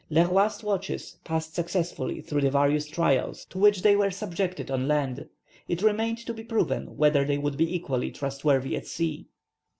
Le Roy's watches passed successfully through the various trials to which they were subjected on land. It remained to be proved whether they would be equally trustworthy at sea.